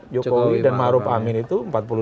jokowi dan kiamarup amin itu empat puluh dua